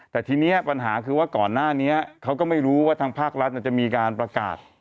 แต่ทีนี้ปัญหาคือว่าก่อนหน้านี้เขาก็ไม่รู้ว่าทางภาครัฐจะมีการประกาศ